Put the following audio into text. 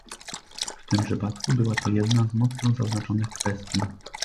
W tym przypadku była to jedna z mocno zaznaczanych kwestii